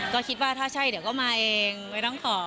ก็คิดว่าถ้าใช่เดี๋ยวก็มาเองไม่ต้องขอ